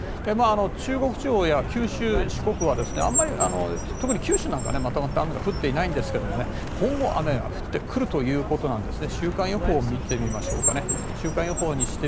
中国地方や九州、四国は特に九州は、まとまった雨が降っていないんですが今後、雨が降ってくるということですね。